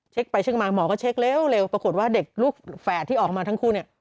เช็คไปเช็คมาหมอก็เช็คเร็วปรากฏว่าเด็กลูกแฝดที่ออกมาทั้งคู่เนี่ย